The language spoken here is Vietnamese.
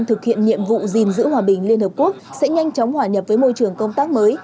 thực hiện nhiệm vụ gìn giữ hòa bình liên hợp quốc sẽ nhanh chóng hòa nhập với môi trường công tác mới